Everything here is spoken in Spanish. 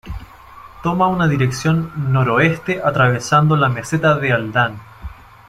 Toma una dirección noroeste atravesando la meseta de Aldán.